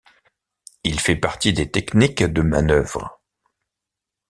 Il fait partie des techniques de manœuvre.